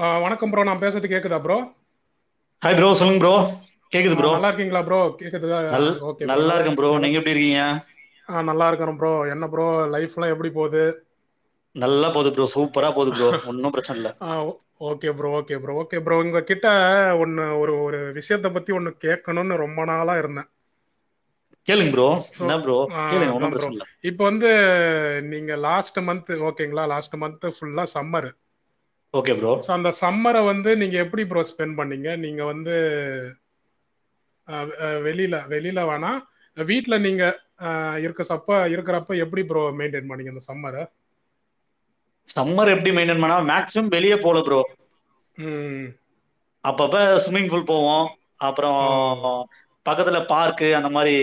அ வணக்கம் ப்ரோ நா பேசது கேக்குதா ப்ரோ ஆய் ப்ரோ சொல்லுங் ப்ரோ கேக்குது ஆ ப்ரோ நல்லார்க்கீங்ளா ப்ரோ நல் [unintelligible] ஓகே ப்ரோ நல்லா நல்லாக் இருக்கேன் நீங்க நல்லாக் எப்படி இருக்கீங்க ஆ நல்லாருக்குறன் ப்ரோ என்ன ப்ரோ லைஃப்லா எப்டி போது நல்லா போது ப்ரோ சூப்பரா போது ப்ரோ ஒன்னு பிரச்சல்ல ஆ okay bro okay bro okay bro உங்க கிட்ட ஒன்னு ஒரு ஒரு விஷயத்த பத்தி ஒன்னு கேட்கணு ரொம்ப நாளா இருந்த கேளுங் ப்ரோ னா ப்ரோ கேளுங்க ஒண்ணு பிரச்சனல்ல இப்ப வந்து நீங்க லாஸ்ட்டு மந்த்து ஓகேங்ளா லாஸ்ட்டு மந்த்து ஃபுல்லா சம்மரு ஓகே ப்ரோ சோ அந்த சம்மர வந்து நீங்க எப்பிடி ப்ரோ ஸ்பெண்ட் பண்ணீங்க நீங்க வந்து ஆ வெளியில வெளியில வாணா வீட்ல நீங்க ஆ இருக்க சப்ப இருக்கறப்ப எப்பிடி ப்ரோ மெயின்டெயின் பண்ணீங்க இந்த சம்மர சம்மர் எப்டி மெய்டன் பண்ணா மேக்சிமம் வெளிய போல ப்ரோ ம் அப்பப்ப ஸ்விம்மிங் புல் போவோ அப்பறோ ஓ பக்கத்துல பார்க்கு அந்த மாரி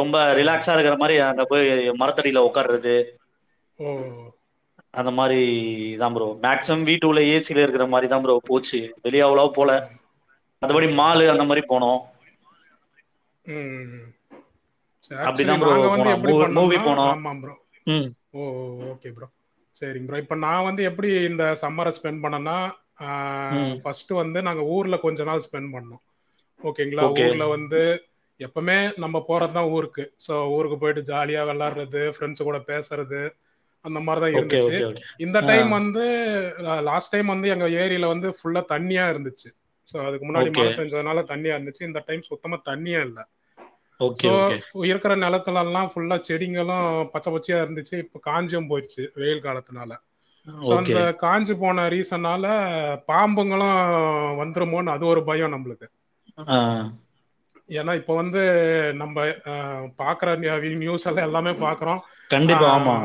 ரொம்ப ஓ ரிலாக்ஸா இருக்கிற மாரி அந்தப் போய் மரத்தடியில உக்காறது ஏ அந்த மாரி இதா ப்ரோ ஓ மேக்சிமம் வீட்டு உள்ள ஏசில இருக்கிற மாரிதா ப்ரோ போச்சு அவ்ளோ போல ஆமாம் படி மால அந்த மாதி‌‌ரி போனோ உம் ஆக்சுவலி அப்படிதான் ப்ரோ நாங்க வந்து போனோம் எப்டி மூவி மூவி பண்ணம்னா போனோம். ஆமா ப்ரோ ம், ஓஓ ஓகே ப்ரோ சரிங் ப்ரோ இப்போ நான் வந்து எப்பிடி இந்த சம்மர ஸ்பெண்ட் பண்ணன்னா ஆ ம். ஃபர்ஸ்ட்டு வந்து நாங்க ஊர்ல கொஞ்ச நாள் ஸ்பெண்ட் பண்ணோ ஓகேங்ளா ஓகே. ஊர்ல வந்து எப்போமே நம்ம போறது தா ஊருக்கு ஸோ ஊருக்கு போய்ட்டு ஜாலியாக வெளாடு்றது ஃப்ரெண்ட்ஸ் கூட பேசுறது அந்த மாரி தான ஓகே, இருந்துச்சு ஓகே, ஓகே. இந்த ஆ. டைம் வந் ந்து லாஸ்ட் டைம் வந்து எங்க ஏரியில வந்து ஃபுல்லா தண்ணியா இருந்துச்சு சோ அதுக்கு முன்னாடி ஓகே. மழ பெஞ்சதுனால தண்ணியா இருந்துச்சு இந்த டைம் சுத்தமா தண்ணியே இல்ல சோ ஓகே, ஓகே. இருக்குற நெலத்துல எல்லா ஃபுல்லா செடிங்களும் பச்ச பச்சயா இருந்துச்சு இப்ப காஞ்சும் போயிடுச்சு வெயில் காலத்துனால சோ ஓகே. அந்தக் காஞ்சு போன ரீசன்னால பாம்புங்களு வந்துருமோன்னு அது ஒரு பயம் நம்மளுக்கு ஆ ஏன்னா இப்போ வந்து நம்ம அ பாக்கறக்கு எதா நியூஸ் எல்லாம் எல்லாமே பாக்க றோ அ கண்டிப்பா. ஆமா.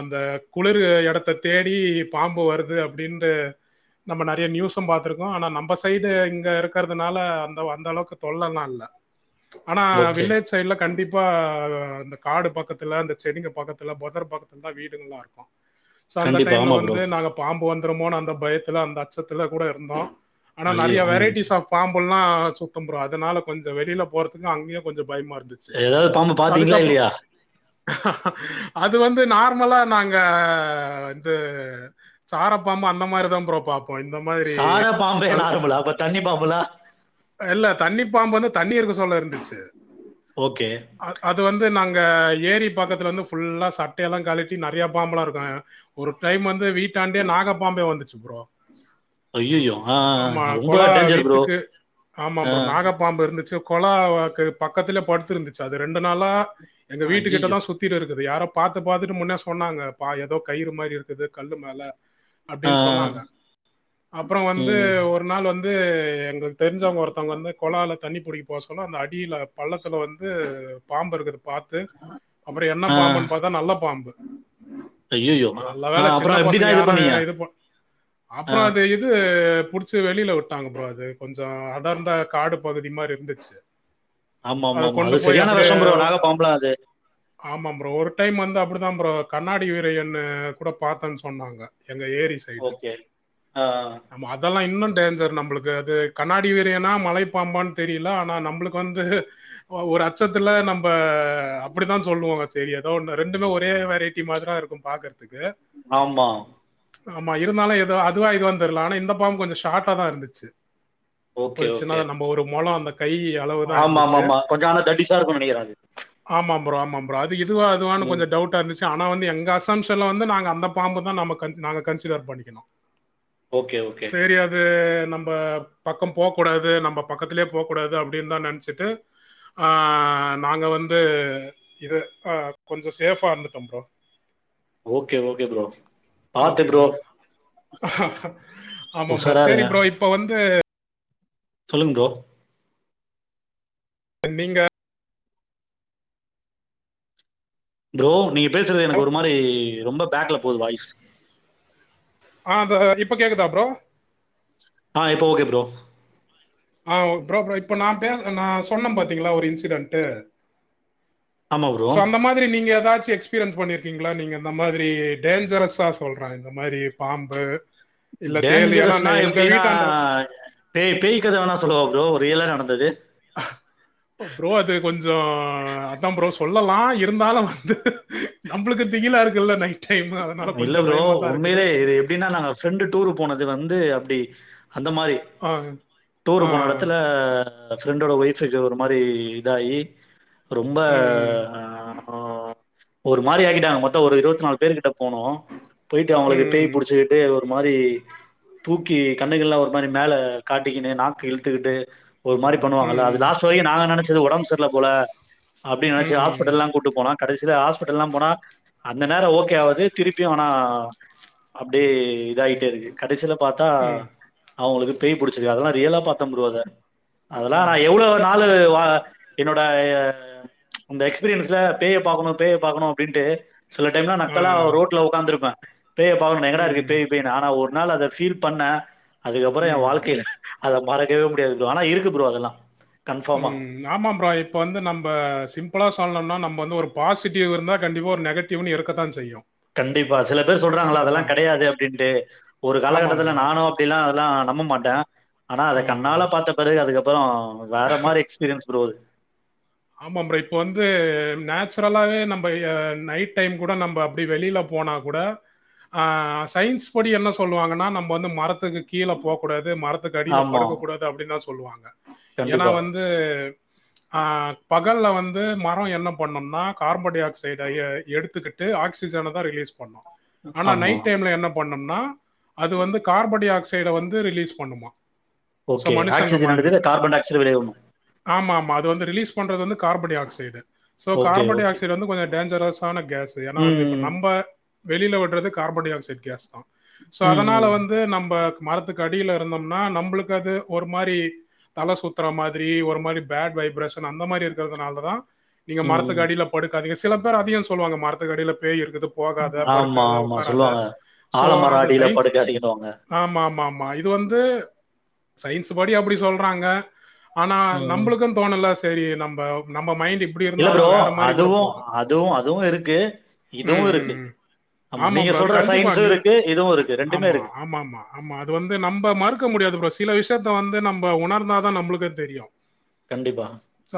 அந்த குளிர் எடத்த தேடி பாம்பு வருது அப்டின்ற நம்ம நிறைய நியூஸு பாத்துருக்கோ ஆனா நம்ம சைடு இங்க இருக்குறதுனால அந்த அந்த அளவுக்கு தொல்லலா இல்ல ஆனா ஓகே. வில்லேஜ் ஜ் சைடுல கண்டிப்பா இந்த காடு பக்கத்துல இந்த செடிங்க பக்கத்துல புதர் பக்க தா வீடும் இருக்கும் சோ அந்த கண்டிப்பா. டைம்ல ஆமா ப்ரோ. வந்து நாங்க பாம்பு வந்துருமோ அந்த பயத்தில அந்த அச்சத்தில கூட இருந்தோம் ஆனா ஐயயோ! நெறைய ம். வெரைட்டிஸ் ஆஃப் பாம்புலா சுத்தும் ப்ரோ அதனால கொஞ்சம் வெளியில போறதுக்கும் அங்கேயும் கொஞ்சம் பயமா இருக்குது ஏதாவது பாம்பு [unintelligible] பாத்தீங்களா அதுக்கப்றோ இல்லையா? அது வந்து நார்மலா நாங்க வந்து சாரப்பாம்பு அந்த மாரி தான் ப்ரோ பாப் ஓ இந்த மாதிரி சாரா பாம்பே அவ் நார்மலா? அப்ப தண்ணி பாம்புலாம்? இல்ல தண்ணி பாம்பு வந்து தண்ணி இருக்க சொல்ல இருந்துச்சு ஓகே அது வந்து நாங்க ஏரி பக்கத்துல வந்து ஃபுல்லா சட்டைய எல்லாம் கழட்டி நெறைய பாம்பலா இருக்கு ஒரு டைம் வந்து வீட்டாண்டே நாகப்பாம்பே வந்துச்சு ப்ரோ ஐயயோ! ஆ, ஆமா ஆ. ரொம்ப கொலா டேஞ்சர் ப்ரோ. வீட்டுக்கு ஆமாப் ஆ. ப்ரோ நாக பாம்பு இருந்துச்சு கொலாக்கு பக்கத்திலே படுத்து இருந்துச்சு அது ரெண்டு நாளா எங்க வீட்டு கிட்ட ஐயயோ! தா சுத்தி இருக்குது யாரோ பாத்து பாத்துட்டு முன்னே சொன்னாங்க பா ஏதோ கயிறு மாரி இருக்குது கல்லு மேல ஆ, அப்டின்னு சொன்னாங்க ஆ. அப்றோ வந்து ம். ஒரு ஒரு நாள் வந்து எங்களுக்கு தெரிஞ்சவங்க ஒருத்தவங்க வந்து கொழால தண்ணி புடிக்க போக சொன்னா அந்த அடியில பள்ளத்துல வந்து பாம்பு இருக்குறது பாத்து அப்ற என்ன ஆ. பாம்புன்னு பாத்தா நல்ல பாம்பு ஐயயோ! நல்ல ஆ வேல சின்ன அப்புறம் எப்படி பசங்க தான் யாரும் பண்ணீங்க? இது பண் ஆ. அப்றோ அது இது வந்து புடிச்சு வெளில விட்டாங்க ப்ரோ அது கொஞ்சோ அடர்ந்த காடு பகுதி மாரி இருந்துச்சு அத ஆமாமாமா. கொண்டு அது போய் சரியான அப்டியே விஷம் ப்ரோ. நாக பாம்புலாம் அது. ஆமா ப்ரோ ஒரு டைம் வந்து அப்டிதா ப்ரோ கண்ணாடி [unintelligible] விரியன்ன கூட பாத்தேன்னு சொன்னாங்க எங்க ஏரி ச ஓகே ஆ ஆமா அதெல்லா இன்னு டேஞ்சர் நம்மளுக்கு அது கண்ணாடி வீரியனா மழை பாம்பான்னு தெரியல ஆனா நம்மளுக்கு வந்து ஒரு அச்சத்துல நம்ம அப்டிதா சொல்லுவோ சேரி ஏதோ ஒன்னு ரெண்டுமே ஒரே வெரைட்டி மாரி தா இருக்கும் பாக்கறதுக்கு ஆமா ஆமா இருந்தாலு ஏதோ அதுவா இதுவானு தெரில ஆனா இந்த பாம்பு கொஞ்சோ ஷார்ட்டா தா இருந்துச்சு ஓகே, ஒரு சின்னதா நம்ம ஒரு மொளோ அந்த கைய ஆமா ஆமமா கொஞ்ச ஆனா தடிசா இருக்கு நினைக்குற அது ஆமாாம் ப்ரோ ஆமாம் ப்ரோ அது இதுவா அதுவான ம். கொஞ்சோ டவுட்டா இருந்துச்சு ஆனா வந்து எங்காஸ் [unintelligible] வந்து நாங்க அந்த பாம்பு தான் நம்ம கன்சி நாங்க கன்சிடர் பண்ணிக்கணோ ஓகே, ஓகே. சேரி அது து நம்ம பக்கம் போக கூடாது நம்ம பக்கத்துலயே போக கூடாது அப்டின்னு தா நெனச்சுட்டு அ நாங்க வந்து இது கொஞ்சோ சேஃபா இருந்துட்டோ bro okay okay bro okay bro ஆமா ப்ரோ உஷாரா சேரி இருங்க. ப்ரோ இப்ப வந்து சொல்லுங்க ப்ரோ நீங்க ப்ரோ நீங்க பேசுறது எனக்கு ஒரு மாரி ரொம்ப பேக்ல போகுது வாய்ஸ் அ இப்ப கேக்குதா ப்ரோ அ இப்போ ஓகே ப்ரோ அ ப்ரோ ப்ரோ இப்ப நா பேச நா சொன்ன பாத்தீங்களா ஒரு இன்சிடென்ட்டு ஆமா ப்ரோ. சோ அந்த மாரி மாரி நீங்க ஏதாச்சு எக்ஸ்பீரியன்ஸ் பண்ணிருக்கீங்களா நீங்க இந்த மாதிரி டேஞ்சரஸா சொல்றே இந்த மாதிரி பாம்பு இல்ல தேளு. ஏன்னா, டேஞ்சரஸ்னா நான் எங்க எப்டின்னா வீட்டாண்ட பேய் பேய் கத வேணா சொல்லுவா ப்ரோ ரியலா நடந்தது ப்ரோ அது கொஞ்சோ அதா ப்ரோ சொல்லலா இருந்தாலு வந்து நம்மளுக்கு திகிலா இருக்குல்ல நைட் டைம் அதனால கொஞ்சோ பயமா தா இருக்குது அப்டின்னா நாங்க ஃப்ரெண்டு டூரு போனது வந்து அப்டி அந்த மாரி ஆ. டூரு ஆ. போன எடத்துல ஃப்ரெண்டோட ஒய்ஃபுக்கு ஒரு மாரி இதாகி ரொம்ப ம். அ ஒரு மாரி ஆக்கிட்டாங்க மொத்தோ ஒரு இருவத்து நாலு பேரு கிட்ட போனோம் போயிட்டு அவங்களுக்கு பேய் ம். புடிச்சுக்கிட்டு அது ஒரு மாரி தூக்கி கண்ணகின்னல்லா ஒரு மாரி மேல காட்டிக்கின்னு நாக்கு இழுத்துக்கிட்டு ஒரு மாரி ம். பண்ணுவாங்கல அது ம். லாஸ்ட்டு வரைக்கு நாங்க நெனச்சது ஒடம்பு சரில போல அப்டின்னு நெனச்சு ம். ஹாஸ்பிடல்லா கூட்டு போனோ கடைசில ஹாஸ்பிட்டல்லா போனா அந்த நேரோ ஓ ஒகேயாவது திருப்பியு ஆனா அப்டியே இதாகிட்டே இருக்கு கடைசில பாத்தா ம். அவங்களுக்கு பேய் பிடிச்சிருக்கு அதெல்லா ரியலா பாத்தே ப்ரோ அத அதெல்லா நா எவ்ளோ நாலு வாழ என்னோட அந்த எக்ஸ்பீரியன்ஸ்ல பேய பாக்கணும் பேய பாக்கணும் அப்டின்ட்டு சில டைம்ல ஆ. ரோட்ல ஒக்காந்துருப்பே பேய பாக்கணும் எங்கடா இருக்கு ம். பேய் பேயுனு ஆனா ஒரு நாள் அத ஃபீல் பண்ண அதுக்கப்பற என் ம். வாழ்க்கைல அத மறக்கவே முடியாது ப்ரோ ஆனா இருக்கு ப்ரோ அதெல்லா கன்ஃபார்மா ம் ஆமா ப்ரோ இப்ப வந்து நம்ம சிம்பிளா சொல்லணும்னா நம்ம வந்து ஒரு பாசிட்டிவ் இருந்தா கண்டிப்பா ஒரு நெகட் [unintelligible] ஒன்னு இருக்கத்தான் செய்யு கண்டிப்பா சில பேர் சொல்றாங்களா அதெல்லா கெடயாது அப்டின்ட்டு ஒரு ஆமாம் காலகட்டத்துல ப்ரோ. நானு அப்டியெல்லா அதெல்லா நம்ப மாட்டே ஆனா ஆ. அத கண்ணால பாத்த பெறகு அதுக்கப்பறோ வேற மாரி எக்ஸ்பீரியன்ஸ் ப்ரோ அது ஆமாம் ப்ரோ இப்ப வந்து நேச்சுரலாவே நம்ப எ அ நைட் டைம் கூட நம்ப அப்டி வெளில போனா கூட அ சயின்ஸ் படி என்ன சொல்வாங்கனா நம்ப வந்து மரத்துக்கு கீழ போககூடாது மரத் மரத்துக்கு அடில ஆமா படுக்கக் கூடாது அப்டின்லா சொல்வாங்க ஏனா கண்டிப்பா வந்து அ பகல்ல வந்து மரோ என்ன பண்ணுன்னா கார்பன் டை ஆக்சைட எ எடுத்துக்கிட்டு ஆக்சிஜன தா ரிலீஸ் பண்ணு ஆனா ஆமா நைட் டைம்ல என்ன பண்ணும்னா அது வந்து கார்பன் டை ஆக்சைட வந்து ரிலீஸ் பண்ணுமா ஸோ ஓகே மனுஷங்க ஆக்சிஜன எடுத்துட்டு மாதிரி கார்பன்டைஆக்சைட வெளிய உட்னு ஆமா ஆமா அது வந்து ரிலீஸ் பண்றது வந்து carbon dioxide so okay carbon di okay oxide வந்து கொஞ்சோ டேஞ்சரஸான கேஸு ஏனா வந்து இப்ப ம் நம்ப வெளில உற்றது கார்பன் டை ஆக்சைட் கேஸ் தா சோ ம் ம் அதனால ம் வந்து நம்ப மரத்துக் அடில இருந்தோம்னா நம்ளுக்கு அது ஒரு மாரி தல சுத்தற மாதிரி ஒரு மாரி பேட் வைப்ரேஷன் அந்த மாரி இருக்கிறதனாலதா நீங்க ம் ம் மரத்துக் அடில படுக்காதிங்க சில பேர் அதயு சொல்லுவாங்க மரத்துக்கு அடியில பேய் இருக்குது போகாத ஆமா, படுக்காத ஆமா. உக்காராத சொல்லுவாங்க. சோ ஆலமர அது அடியில சயின்ஸ் படுக்காதீங்கன்னுவாங்க. ஆமா ஆமா ஆமா இது வந்து சயின்ஸ் படி அப்டி சொல்றாங்க ஆனா ம். நம்பளுக்கு தோணலா சரி நம்ப நம்ம மைண்ட் இப் டி இல்ல இருந்தாலு ப்ரோ. வேற மாரி கூட அதுவும் போகு அதுவும் அதுவும் இருக்கு. ம் இதுவும் ம் இருக்கு. ம் ஆமா நீங்க ப்ரோ அது சொல்ற கண்டிப்பா சயின்ஸும் நீங்க இருக்கு. இதுவும் இருக்கு. ஆம்மா இருக்கு. ஆமாம்மா ஆமா அது வந்து நம்ப மறுக்க முடியாது ப்ரோ சில விஷயத்த வந்து நம்ப உணர்ந்தா தா நம்ளுக்கே தெரியு கண்டிப்பா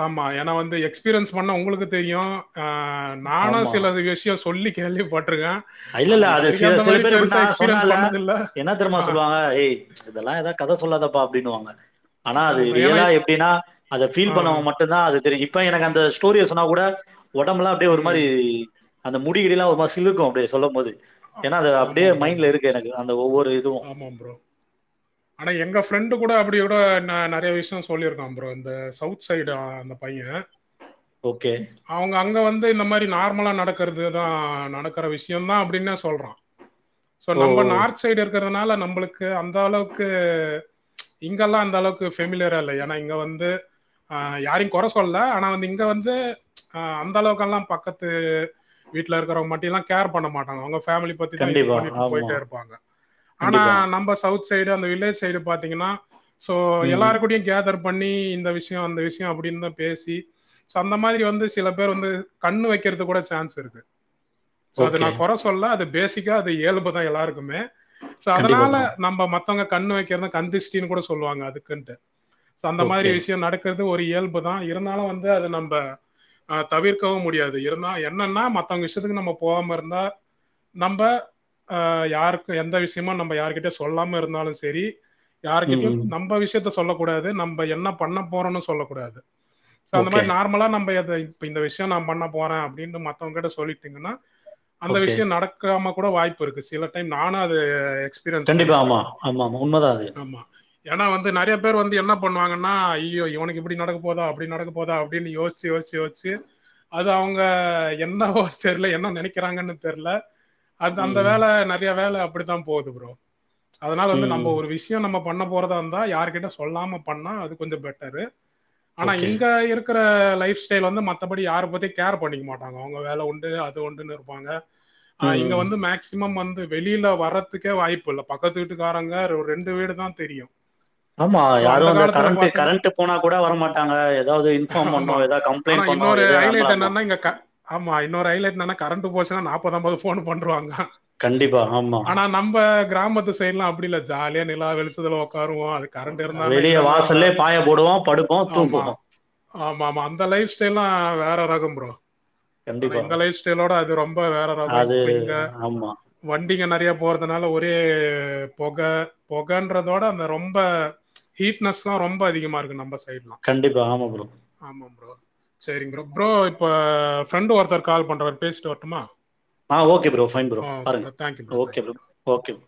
ஆமா ஏனா வந்து எக்ஸ்பிரியன்ஸ் பண்ண உங்ளுக்கு தெரியு ஆ நானு ஆமா. சில விஷ்யோ சொல்லி கேள்வி பட்ருக்கே அ இல்ல இல்ல அது சில சில பேர் எப்டின்னா எக்ஸ்பீரியன்ஸ் சொன்னால பண்ணதில்ல. என்ன தெர்மா ஆ சொல்வாங்க ஏய் இதெல்லா ஏதாவ்து கத சொல்லாதப்பா அப்டினுவாங்க ஆனா அது ஆமா ப்ரோ. ஏன்னா ரியலா எப்டின்னா அத ஆ, ஃபீல் பண்ணவங்க மட்டுதா அது தெரியு இப்போ எனக்கு அந்த ஸ்டோரிய சொன்ன கூட ஒடம்பெல்லா அப்டியே ஒரு ம். மாரி அந்த முடிகெடியெல்லா ஒரு மார் சிலிக்கு அப்டியே சொல்லும் போது ஏனா அது அப்டியே மைண்ட்ல இருக்கு எனக்கு அந்த ஒவ்வொரு இது ஆமாம் ப்ரோ ஆனா எங்க ஃப்ரெண்டு கூட அப்டியே உட ந நறைய விஷ்யோ சொல்லிருக்கா ப்ரோ இந்த சௌத் சைடா அந்த பையே ஓகே அவங்க அங்க வந்து இந்த மாரி நார்மலா நடக்கறது தா நடக்கற விஷ்யோந்தா அப்டின்னு சொல்றா சோ ஓ! நம்ப ஓ! நார்த் சைடு இருக்கிறதனால நம்பளுக்கு அந்த அளவ்க்கு இங்கல்லா அந்த அளவுக்கு ஃபெமிலியரா இல்ல ஏனா இங்க வந்து அ யாரையு கொற சொல்ல ஆனா வந்து இங்க வந்து அ அந்த அளவுக்கெல்லா பக்கத்து வீட்ல இருக்கறவ பத்தி எல்லா கேர் பண்ண மாட்டாங்க அவங்க ஃபேமிலி பத்திதா இது கண்டிப்பா. பண்ணிட்டு ஆமா. போய்ட்டே இருப்பாங்க ஆனா கண்டிப்பா. நம்ப சவுத் சைடு அந்த வில்லேஜ் சைடு பாத்தீங்கனா சோ ம். எல்லார் கூடயு கேதர் பண்ணி இந்த விஷ்யோ அந்த விஷ்யோ அப்டின் தா பேசி சோ அந்த மாதிரி வந்து சில பேர் வந்து கண்ணு வெக்கறது கூட சான்ஸ் இருக்கு சோ அத நா ஓகே. கொற சொல்ல அது பேசிக்கா அது இயல்புதா எல்லாருகுமே சோ கண்டிப்பா அதனால ப்ரோ. நம்ப மத் தவங்க கண்ணு வெக்கிறது கண்திஷ்டின் கூட சொல்வாங்க அதுக்குண்டு சோ அந்த மாரி ஓகே. விஷ்யோ நடக் றது ஒரு இயல்பு தா இருந்தாலு வந்து அது நம்ப அ தவிர்க்கவு முடியாது இருந்தா என்னன்னா மத்தவங்க விஷயத்துக்கு நம்ம போம்ம இருந்தா நம்ப அ யாருக் கு எந்த விஷ்யமு நம்ப யார்கிட்டயு சொல்லாம இருந்தாலு செரி ம். யாருகிட்டயு ம். நம்ப விஷ்யத்த சொ சொல்ல கூடாது நம்ப என்ன பண்ண போறோனு சொல்லகூடாது சோ அந்த ஓகே. மாரி நார்மலா நம்ப எத இப்ப இந்த விஷ்யோ நா பண்ண போறே அப்டின்னு மத்தவங்கிட்ட சொல்லிட்டீங்கன்னா அந்த ஓகே. விஷ்யோ நடக் காம கூட வாய்ப்பு இருக்கு சில டைம் நானு அது எக்ஸ் கண்டிப்பா ஆமா ஆமா ஆமா உண்மதா அது ஆமா ஏன்னா வந்து நெறைய பேர் வந்து என்ன பண்ணுவாங்கன்னா ஐயோ இவனுக்கு இப்டி நடக்கப் போதா அப்டி நடக்க போதா அப்டின்னு யோ ச்சு யோச்சு யோச்சு அது அவுங்க என்னவோ தெர்ல என்ன நினைக்கிறாங்கன்னு தெர்ல அது ம். அந்த ம். வேல நெறைய வேல அப்டித்தா போகுது ப்ரோ அதனால வந்து நம்ம ம். ஒரு விஷ் ச்சயோ நம்ம பண்ண போறதா இருந்தா யார்கிட்ட சொல்லாம பண்ணா அது கொஞ்சோ பெட்டரு ஆனா ஓகே. இங்க இருக் க்கற லைஃப் ஸ்டைல் வந்து மத்தபடி யாரு பத்தியு கேர் பண்ணிக்க மாட்டாங்க அவுங்க வேல உண்டு அது ஒண்டுன்னு இருப்பாங்க ஆ ம். இங்க ம். வந்து மேக்சிமம் வந்து வெளியில வர்றத்துக்கே வாய்ப்பு இல்ல பக்கத்து வீட்டுக்காரங்க ஒரு ரெண்டு வீடு தா தெரியு ஆமா யாரு அந்த கரண்ட்டு கரண்ட்டு போனா கூட வரமாட்டாங்க ஏதாவுது இன்ஃபார்ம் பண்ணு ஆமா ஏதாவு கம் ஆனா இன்னொரு ஐலைட் என்னன்னா இங்கக்க ஆமா இன்னொரு ஐலைட் என்னன்னா கரண்டு போச்சன்னா நாப்பது அம்பது போன் பண்றுவாங்க கண்டிப்பா ஆமா நம்ப கிராமத்து சைடுலா அப்டி இல்ல ஜாலியா நிலா வெளுச்சதல உக்காருவோ அதுக் வெளிய வாசல்லே பாய போடுவோ படுப்போ தூங்குவோ ஆமா ஆமா அந்த லைஃப் ஸ்டைல்லா வேற ரகம் ப்ரோ ஆனா கண்டிப்பா. இந்த லைஃப் ஸ்டைலோட அது ரொம்ப வேற ரதோ அது இப்ப இங்க ஆமா வண்டிங்க நெறைய போறதுனால ஒரே பொக பொகன்றதோட அந்த ரொம்ப ஹீட்னஸ்ல்லா ரொம்ப அதிகமா இருக்கு நம்ப சைட்லா கண்டிப்பா ஆமா ப்ரா ஆமாம் ப்ரோ சரிங் ப்ரோ ப்ரோ இப்போ ஃப்ரெண்டு ஒருத்தர் கால் பண்ணுறாரு பேஸ்ட்டு வரட்டுமா ஆ ஓகே ப்ரோ ஃபைன் ப்ரோ ஆ ஓகே பாருங்க bro. Thank you okay thank you bro okay ப்